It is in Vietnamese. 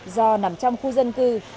do nằm trong khu dân cư